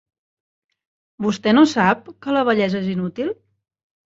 Vostè no sap que la bellesa és inútil?